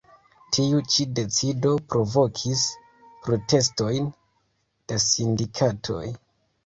Tiu ĉi decido provokis protestojn de sindikatoj.